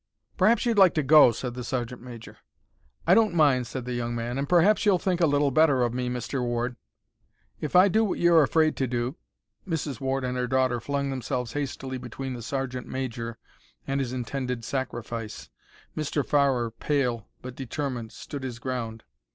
"Perhaps you'd like to go," said the sergeant major. "I don't mind," said the young man; "and perhaps you'll think a little better of me, Mr. Ward. If I do what you're afraid to do—" Mrs. Ward and her daughter flung themselves hastily between the sergeant major and his intended sacrifice. Mr. Farrer, pale but determined, stood his ground.